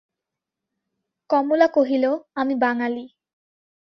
কমলা কহিল, আমি বাঙালি।